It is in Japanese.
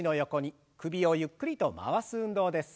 首をゆっくりと回す運動です。